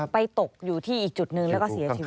ตกอยู่ที่อีกจุดหนึ่งแล้วก็เสียชีวิต